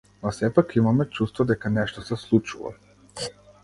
Но сепак имаме чувство дека нешто се случува.